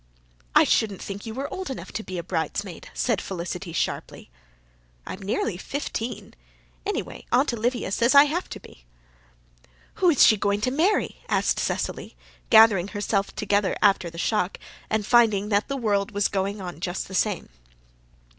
"I shouldn't think you were old enough to be a bridesmaid," said Felicity sharply. "I'm nearly fifteen. Anyway, Aunt Olivia says I have to be." "Who's she going to marry?" asked Cecily, gathering herself together after the shock, and finding that the world was going on just the same.